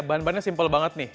bahan bahannya simpel banget nih